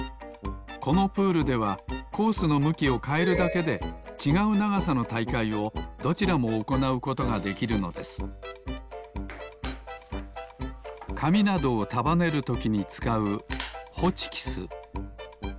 このプールではコースのむきをかえるだけでちがうながさのたいかいをどちらもおこなうことができるのですかみなどをたばねるときにつかうホチキス。